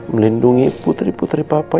melindungi putri putri papa